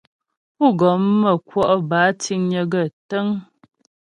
Pú́ gɔm mə́ kwɔ' bə́ áa tíŋnyə̌ gaə́ tə́ŋ.